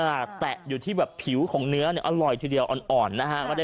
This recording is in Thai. เออแตะอยู่ที่แบบผิวของเนื้ออร่อยทีเดียวอ่อนนะฮะ